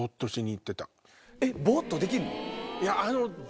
ぼっとできんの？